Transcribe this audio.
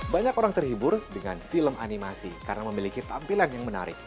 banyak orang terhibur dengan film animasi karena memiliki tampilan yang menarik